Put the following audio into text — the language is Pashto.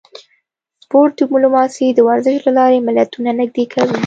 سپورت ډیپلوماسي د ورزش له لارې ملتونه نږدې کوي